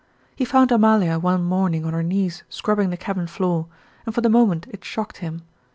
He found Amalia one morning on her knees scrubbing the cabin floor, and for the moment it shocked him.